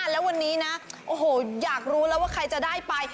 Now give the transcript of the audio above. แล้ววันนี้นะโอ้โหอยากรู้แล้วว่าใครจะได้ไป